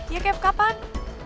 ya kev kapan